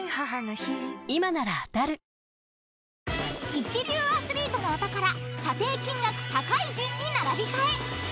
［一流アスリートのお宝査定金額高い順に並び替え］